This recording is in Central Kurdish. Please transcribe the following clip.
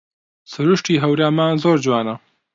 سرووشتی هەورامان زۆر جوانە